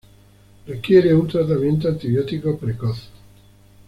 Requiere un tratamiento antibiótico precoz.